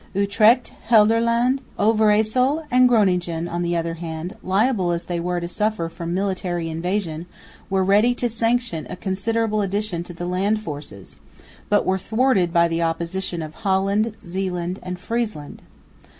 Utrecht, Gelderland, Overyssel and Groningen on the other hand, liable as they were to suffer from military invasion, were ready to sanction a considerable addition to the land forces, but were thwarted by the opposition of Holland, Zeeland and Friesland.